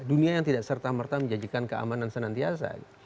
dunia yang tidak serta merta menjanjikan keamanan senantiasa